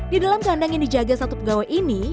di dalam kandang yang dijaga satu pegawai ini